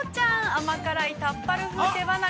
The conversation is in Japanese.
甘辛いタッパル風手羽中。